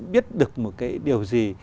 biết được một cái điều gì